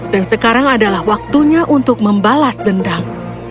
dan sekarang adalah waktunya untuk membalas dendam